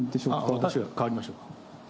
私が代わりましょうか。